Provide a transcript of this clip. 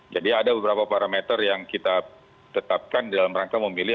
jadi ada beberapa parameter yang kita tetapkan dalam rangka memilih